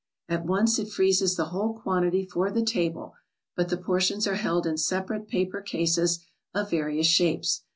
At once it freezes the whole quantity for the table, but the portions are held in separate paper cases of various shapes.